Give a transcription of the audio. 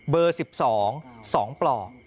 เบอร์๑๒สองปลอด